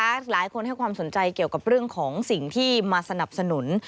หลายคนให้ความสนใจเกี่ยวกับเรื่องของสิ่งที่มาสนับสนุน